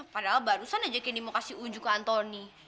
padahal barusan aja kini mau kasih ujung ke antoni